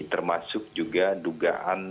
termasuk juga dugaan